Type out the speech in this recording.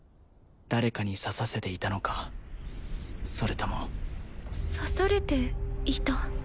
誰かに刺させていたのかそれとも刺されていた？